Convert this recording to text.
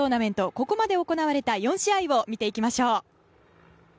ここまで行われた４試合を見ていきましょう。